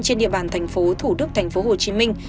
trên địa bàn thành phố thủ đức thành phố hồ chí minh